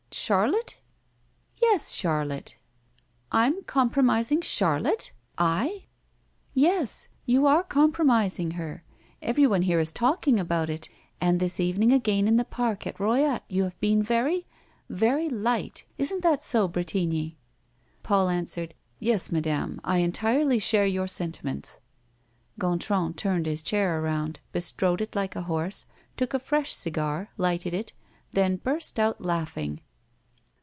Charlotte?" "Yes, Charlotte!" "I'm compromising Charlotte? I?" "Yes, you are compromising her. Everyone here is talking about it, and this evening again in the park at Royat you have been very very light. Isn't that so, Bretigny?" Paul answered: "Yes, Madame, I entirely share your sentiments." Gontran turned his chair around, bestrode it like a horse, took a fresh cigar, lighted it, then burst out laughing.